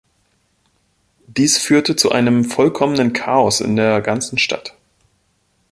Dies führte zu einem vollkommenen Chaos in der ganzen Stadt.